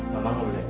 mau saya dalemin